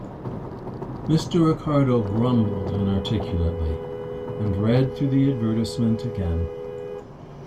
Mr. Ricardo grumbled inarticulately, and read through the advertisement again.